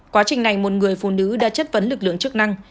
quá trình này một người phụ nữ đã chất vấn lực lượng chức năng